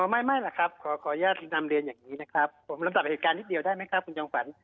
ไม่แหละครับขออนุญาตนำเรียนอย่างนี้นะครับผมลำดับเหตุการณ์นิดเดียวได้ไหมครับคุณจอมขวัญ